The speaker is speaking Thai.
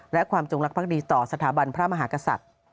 และความจงรักภักดีต่อสถาบันพระมหากษัตริย์